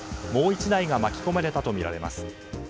もう１台が巻き込まれたとみられます。